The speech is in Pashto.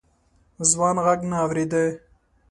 ځوان غږ نه اورېده.